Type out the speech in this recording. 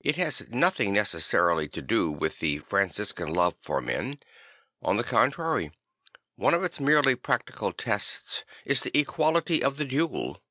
It has nothing necessarily to do with the Franciscan love for men; on the contrary one of its merely practical tests is the equality of the duel.